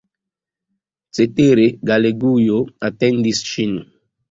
Cetere, Galegujo atendis ŝin.